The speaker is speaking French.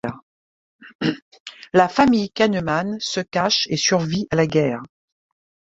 La famille Kahneman se cache et survit à la guerre.